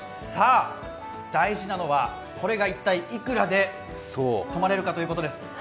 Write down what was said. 大事なのはこれが一体いくらで泊まれるかということです。